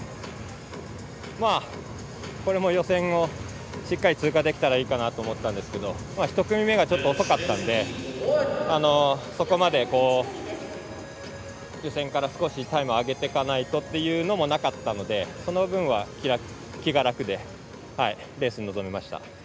これも予選をしっかり通過できたらいいかなって思ったんですけど１組目がちょっと遅かったのでそこまで予選から少しタイムを上げていかないとっていうのもなかったので、その分は気が楽でレースに臨みました。